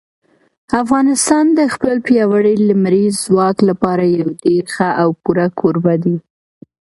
افغانستان د خپل پیاوړي لمریز ځواک لپاره یو ډېر ښه او پوره کوربه دی.